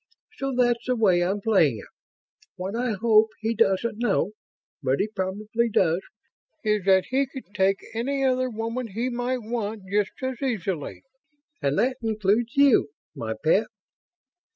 So that's the way I'm playing it. What I hope he doesn't know ... but he probably does ... is that he could take any other woman he might want, just as easily. And that includes you, my pet."